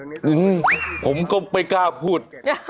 เอาไงผมก็ไปกล้าพูด